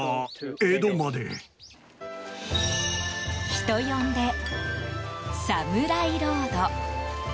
人呼んで、サムライロード。